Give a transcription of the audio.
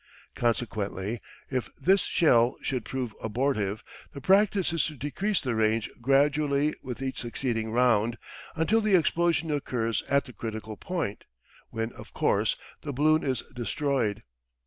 Consequently, if this shell should prove abortive, the practice is to decrease the range gradually with each succeeding round until the explosion occurs at the critical point, when, of course, the balloon is destroyed.